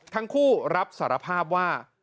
ทั้งคู่รับสารภาพว่า